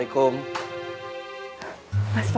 pemikiran agama kita diangganya sama